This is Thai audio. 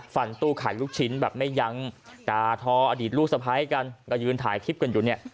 ตู้ขายลูกชิ้นแบบไม่ยั้งดาทออดีตลูกสะพ้ายกันก็ยืนถ่ายคลิปกันอยู่เนี่ย